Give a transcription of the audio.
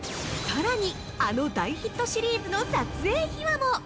◆さらにあの大ヒットシリーズの撮影秘話も！